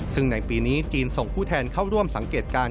ซึ่งในปีนี้จีนส่งผู้แทนเข้าร่วมสังเกตการณ